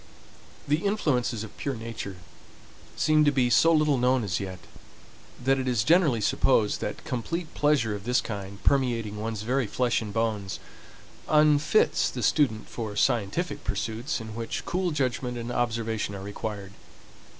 The influences of pure nature seem to be so little known as yet, that it is generally supposed that complete pleasure of this kind, permeating one's very flesh and bones, unfits the student for scientific pursuits in which cool judgment and observation are required.